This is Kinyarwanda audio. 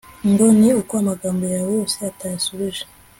ngo ni uko amagambo yawe yose itayashubije